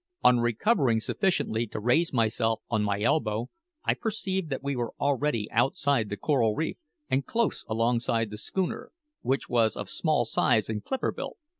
On recovering sufficiently to raise myself on my elbow, I perceived that we were already outside the coral reef and close alongside the schooner, which was of small size and clipper built.